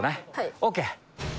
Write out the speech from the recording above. ＯＫ。